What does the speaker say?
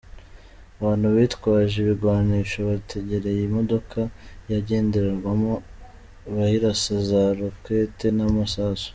Abantu bitwaje ibigwanisho bategereye imodoka yagenderamwo bayirasa za roquette n’amasasu.